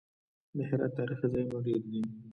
د هرات تاریخي ځایونه ډیر دي